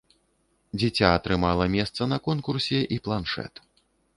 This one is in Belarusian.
Дзіця атрымала месца на конкурсе і планшэт.